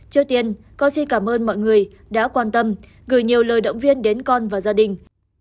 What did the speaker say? trước tiên con xin cảm ơn mọi người đã quan tâm gửi nhiều lời động viên đến con và gia đình